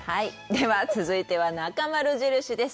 では続いては、「なかまる印」です。